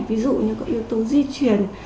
ví dụ như có yếu tố di truyền